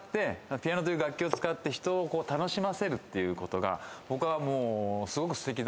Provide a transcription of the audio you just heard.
ピアノという楽器を使って人を楽しませるってことが僕はすごくすてきな演奏だなと思ったんで。